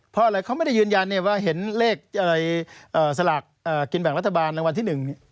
เพราะอะไรเขาไม่ได้ยืนยันว่าเห็นเลขอะไรสลากกินแบ่งรัฐบาลรางวัลที่๑